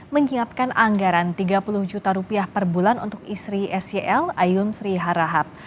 menyiapkan anggaran tiga puluh juta rupiah per bulan untuk istri sel ayun sri harahap